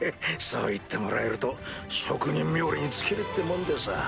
そう言ってもらえると職人冥利に尽きるってもんでさぁ。